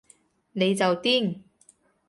你就癲